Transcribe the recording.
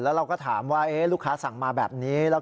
แล้วเราก็ถามว่าลูกค้าสั่งมาแบบนี้